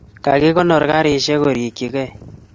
kakikonor karisiek korikchigei.